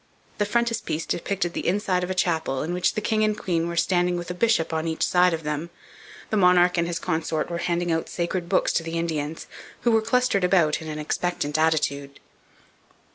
The frontispiece depicted the inside of a chapel, in which the king and queen were standing with a bishop on each side of them. The monarch and his consort were handing sacred books to the Indians, who were clustered about in an expectant attitude.